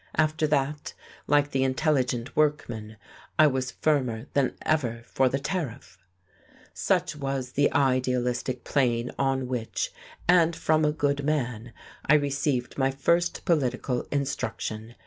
After that, like the intelligent workman, I was firmer than ever for the Tariff. Such was the idealistic plane on which and from a good man I received my first political instruction!